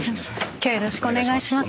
よろしくお願いします。